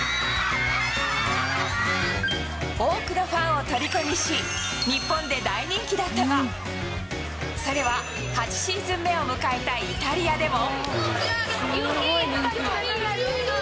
多くのファンをとりこにし、日本で大人気だったが、それは８シーズン目を迎えたイタリアでも。